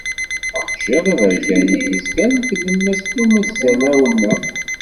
Axjiḍ aberkan i d-yezgan di tlemmast n umazellaw-nneɣ.